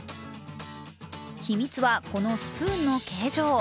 秘密は、このスプーンの形状。